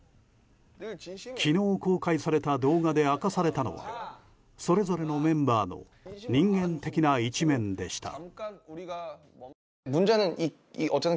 昨日公開された動画で明かされたのはそれぞれのメンバーの人間的な一面でした。